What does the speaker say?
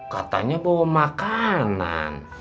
katanya bawa makanan